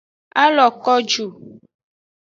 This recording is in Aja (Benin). A lo ko ju.